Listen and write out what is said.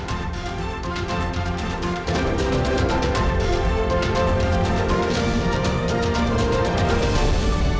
kalau tadi kan bahasnya